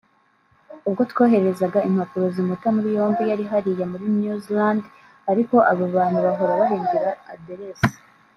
“Ubwo twoherezaga impapuro zimuta muri yombi yari hariya (Muri New Zealand) ariko aba bantu bahora bahindura aderese“